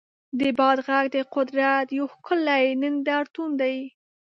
د باد غږ د قدرت یو ښکلی نندارتون دی.